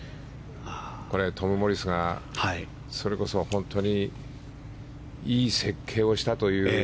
これはトム・モリスがそれこそ本当にいい設計をしたという。